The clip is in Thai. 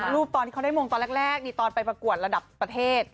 ตอนที่เขาได้มงตอนแรกนี่ตอนไปประกวดระดับประเทศ